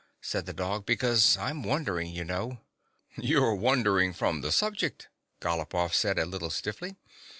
said the dog, " because I 'm wandering, you know." " You 're wandering from the subject," Galop off said, a little stiffly.